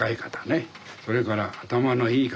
それから頭のいい方ね。